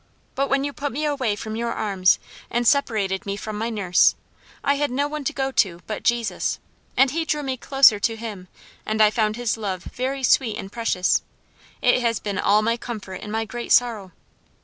But when you put me away from your arms and separated me from my nurse, I had no one to go to but Jesus, and he drew me closer to him, and I found his love very sweet and precious; it has been all my comfort in my great sorrow.